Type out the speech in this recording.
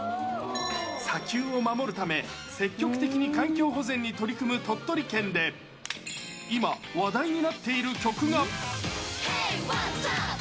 砂丘を守るため、積極的に環境保全に取り組む鳥取県で、今、話題になっている曲が。